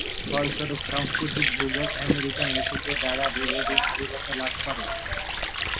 ফলস্বরূপ, সাংস্কৃতিক ভূগোল আমেরিকান লেখকদের দ্বারা দীর্ঘকাল আধিপত্য লাভ করে।